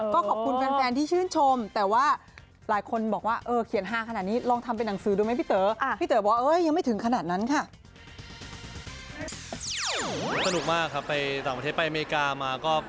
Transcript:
ก็ขอบคุณแฟนที่ชื่นชม